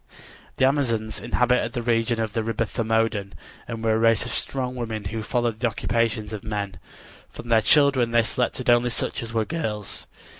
The Amazons inhabited the region of the river Thermodon and were a race of strong women who followed the occupations of men. From their children they selected only such as were girls.